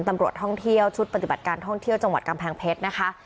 ตำรวจท่องเที่ยวชุดปฏิบัติการท่องเที่ยวจังหวัดกำแพงเพชรนะคะ